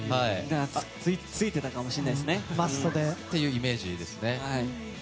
ついてたかもしれないですね。っていうイメージですね。